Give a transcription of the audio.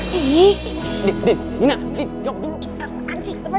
dina dina dina jawab dulu